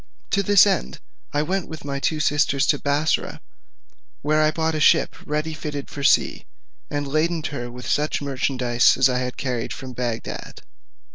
To this end, I went with my two sisters to Bussorah, where I bought a ship ready fitted for sea, and laded her with such merchandise as I had carried with me from Bagdad.